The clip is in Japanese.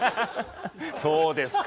そうですか。